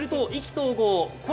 すると意気投合。